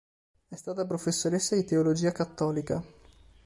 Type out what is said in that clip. È stata professoressa di Teologia cattolica.